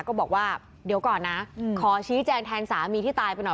ก็บอกว่าเดี๋ยวก่อนนะขอชี้แจงแทนสามีที่ตายไปหน่อย